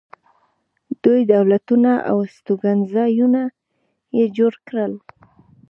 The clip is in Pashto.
دوی دولتونه او استوګنځایونه یې جوړ کړل